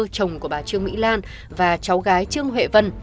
chồng của bà trương mỹ lan và cháu gái trương huệ vân